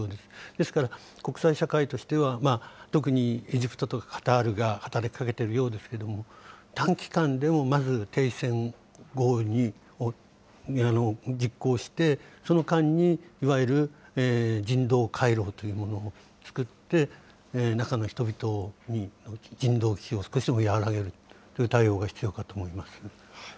ですから国際社会としては、特にエジプトとかカタールが働きかけてるようですけれども、短期間でもまず停戦合意を実行して、その間にいわゆる人道回廊というものを作って、中の人々に、人道危機を少しでも和らげるという対応が必要かと思いますね。